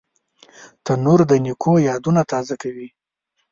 تنور د نیکو یادونه تازه کوي